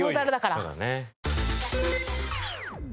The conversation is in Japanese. そうだね。